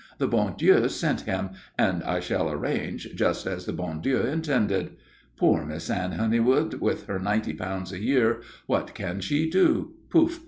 The bon Dieu sent him, and I shall arrange just as the bon Dieu intended. Poor Miss Anne Honeywood with her ninety pounds a year, what can she do? Pouf!